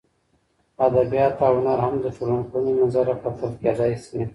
ادبیات او هنر هم د ټولنپوهنې له نظره کتل کېدای سي.